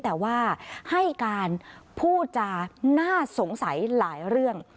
แต่ว่าให้การพูดจาน่าสงสัยหลายเรื่อง